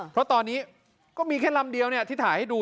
เพราะตอนนี้ก็มีแค่ลำเดียวที่ถ่ายให้ดู